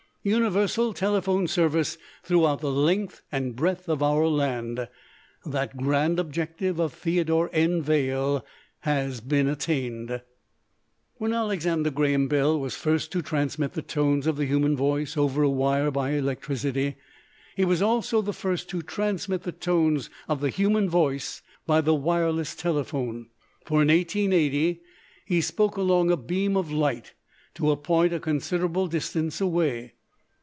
Universal telephone service throughout the length and breadth of our land, that grand objective of Theodore N. Vail, has been attained. While Alexander Graham Bell was the first to transmit the tones of the human voice over a wire by electricity, he was also the first to transmit the tones of the human voice by the wireless telephone, for in 1880 he spoke along a beam of light to a point a considerable distance away.